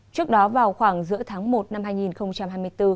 trước đó vào khoảng giữa tháng một năm hai nghìn hai mươi bốn